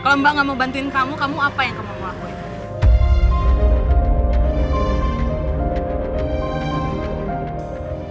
kalau mbak gak mau bantuin kamu kamu apa yang kamu lakuin